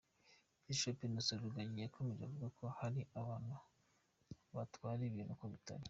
Bishop Innocent Rugagi yakomeje avuga ko hari abantu batwara ibintu uko bitari.